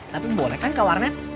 tapi boleh kan ke warnet